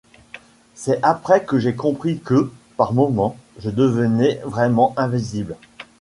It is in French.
C'est après que j'ai compris que, par moment, je devenais vraiment invisible.